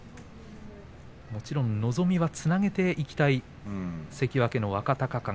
もちろん望みはつなげていきたい関脇の若隆景。